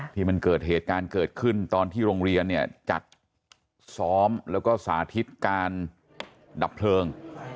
ที่มันเกิดเหตุการณ์เกิดขึ้นตอนที่โรงเรียนเนี่ยจัดซ้อมแล้วก็สาธิตการดับเพลิง